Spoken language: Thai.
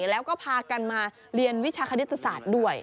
แล้วก็พากันมาเรียนวิชาคณิตศาสตร์ด้วย